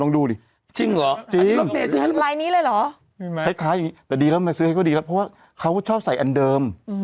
ดีแล้วมาซื้อให้ก็ดีแล้วเพราะว่าเขาชอบใส่อันเดิม